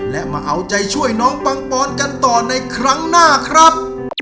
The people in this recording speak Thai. และมาเอาใจช่วยน้องปังปอนกันต่อในครั้งหน้าครับ